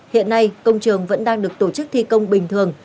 hiện nay công trường vẫn đang được tổ chức thi công bình thường